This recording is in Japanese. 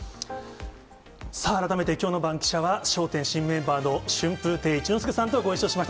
さあ、改めてきょうのバンキシャは笑点新メンバーの春風亭一之輔さんとご一緒しました。